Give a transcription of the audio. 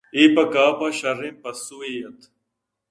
اے پہ کاف ءَ شرّیں پسوئے ات